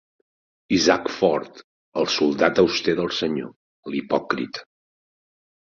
Isaac Ford, el soldat auster del senyor, l'hipòcrita.